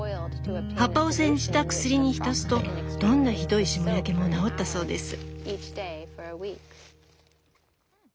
葉っぱを煎じた薬に浸すとどんなひどい霜焼けも治ったそうです。